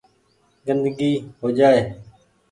گندگي هو جآئي۔